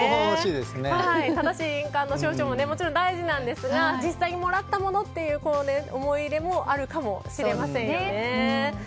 正しい印鑑の証書も大事なんですが実際にもらったものという思い入れもあるかもしれませんね。